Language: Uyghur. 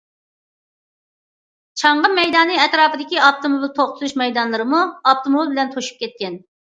چاڭغا مەيدانى ئەتراپىدىكى ئاپتوموبىل توختىتىش مەيدانلىرىمۇ ئاپتوموبىل بىلەن توشۇپ كەتكەن.